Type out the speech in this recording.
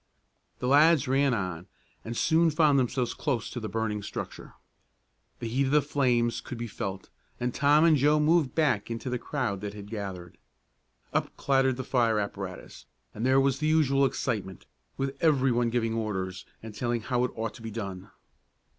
The lads ran on, and soon found themselves close to the burning structure. The heat of the flames could be felt, and Tom and Joe moved back into the crowd that had gathered. Up clattered the fire apparatus, and there was the usual excitement, with everyone giving orders, and telling how it ought to be done.